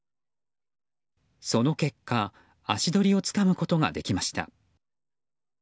その結果、足取りをつかむことができました。